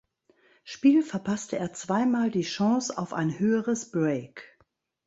Spiel verpasste er zweimal die Chance auf ein höheres Break.